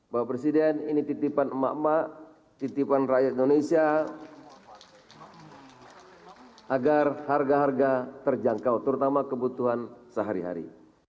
bapak presiden ini titipan emak emak titipan rakyat indonesia agar harga harga terjangkau terutama kebutuhan sehari hari